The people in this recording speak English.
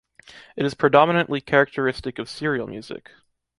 It is predominantly characteristic of serial music.